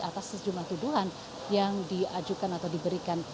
atas sejumlah tuduhan yang diajukan atau diberikan